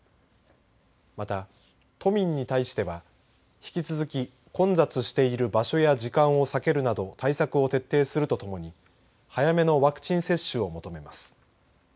また、都民に対しては引き続き、混雑している場所や時間を避けるなど対策を徹底するとともに早めのワクチン接種を求めます。